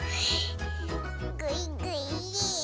ぐいぐい。